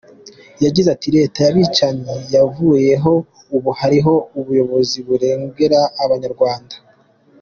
Yagize ati “Leta y’abicanyi yavuyeho ubu hariho ubuyobozi burengera Abanyarwanda.